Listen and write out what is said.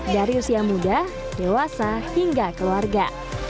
dari usia muda dewasa hingga keluarga